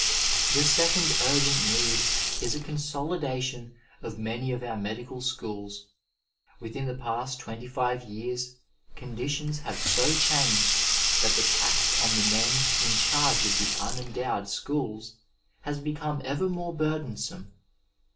The second urgent need is a consolidation of many of our medical schools. Within the past twenty five yeiucs conditions have so changed tiiat the tax on tiie men in charge of the unendowed schools has become ever more burdensome.